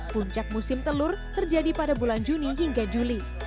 puncak musim telur terjadi pada bulan juni hingga juli